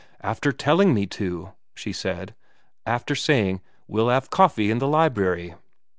' After telling me to,' she said. ' After saying, " We'll 'ave coffee in the library."